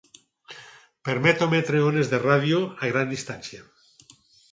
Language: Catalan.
Permet emetre ones de ràdio a gran distància.